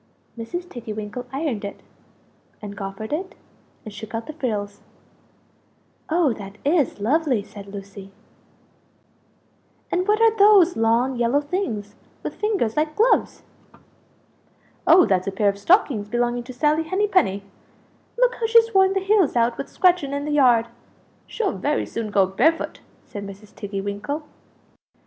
Mrs. Tiggy winkle ironed it, and goffered it, and shook out the frills. "Oh that is lovely!" said Lucie. "And what are those long yellow things with fingers like gloves?" "Oh, that's a pair of stockings belonging to Sally Henny penny look how she's worn the heels out with scratching in the yard! She'll very soon go barefoot!" said Mrs. Tiggy winkle.